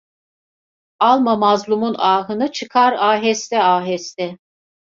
Alma mazlumun ahını, çıkar aheste aheste.